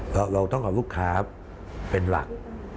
เราต้องเอาลูกค้าเป็นหลัก